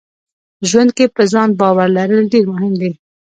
ژوند کې په ځان باور لرل ډېر مهم دي.